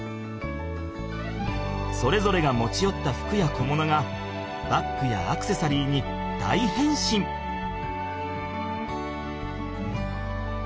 それぞれが持ちよった服や小物がバッグやアクセサリーに大へんしん！